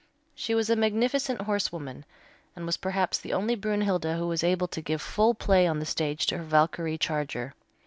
She was a magnificent horsewoman, and was perhaps the only Brünnhilde who was able to give full play on the stage to her Valkyrie charger.